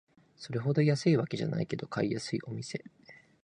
それほど安いわけじゃないけど買いやすいお店